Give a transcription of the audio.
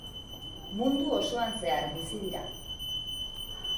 Mundu osoan zehar bizi dira.